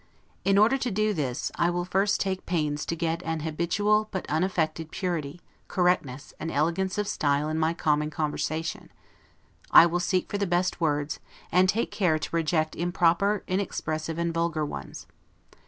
In order to do this, I will first take pains to get an habitual, but unaffected, purity, correctness and elegance of style in my common conversation; I will seek for the best words, and take care to reject improper, inexpressive, and vulgar ones.